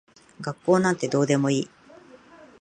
学校なんてどうでもいい。